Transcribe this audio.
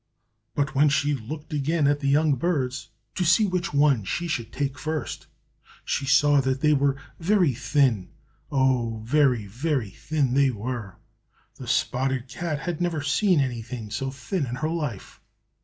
But when she looked again at the young birds, to see which one she should take first, she saw that they were very thin, oh, very, very thin they were! The spotted cat had never seen anything so thin in her life.